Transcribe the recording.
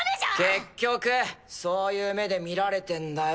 結局そういう目で見られてんだよ